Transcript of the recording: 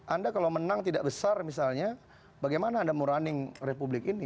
anda kalau menang tidak besar misalnya bagaimana anda merunning republik ini